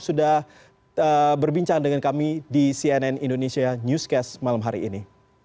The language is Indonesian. sudah berbincang dengan kami di cnn indonesia newscast malam hari ini